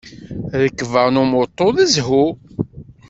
Rrekba n umuṭu d zzhu.